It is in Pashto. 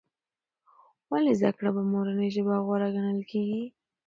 ولې زده کړه په مورنۍ ژبه غوره ګڼل کېږي؟